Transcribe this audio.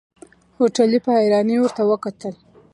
هوټلي په حيرانۍ ورته وکتل.